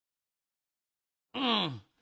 うん。